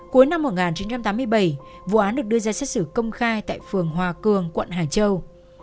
cuối năm một nghìn chín trăm tám mươi bảy vụ án được đưa ra xét xử công khai tại phường hòa cường quận hải châu